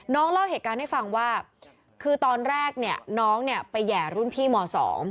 เล่าเหตุการณ์ให้ฟังว่าคือตอนแรกเนี่ยน้องเนี่ยไปแห่รุ่นพี่ม๒